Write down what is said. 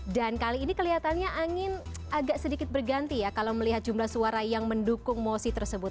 dan kali ini kelihatannya angin agak sedikit berganti ya kalau melihat jumlah suara yang mendukung mosi tersebut